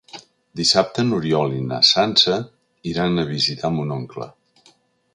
Dissabte n'Oriol i na Sança iran a visitar mon oncle.